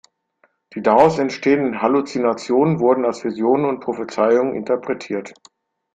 Die daraus entstehenden Halluzinationen wurden als Visionen und Prophezeiungen interpretiert.